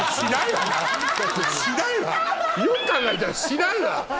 よく考えたらしないわ。